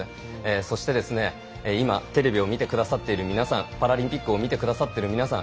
そして今テレビを見てくださってる皆さん、パラリンピックを見てくださってる皆さん。